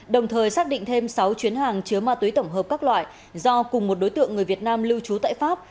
đồng thời xác định thêm sáu chuyến hàng chứa ma túy tổng hợp các loại do cùng một đối tượng người việt nam lưu trú tại pháp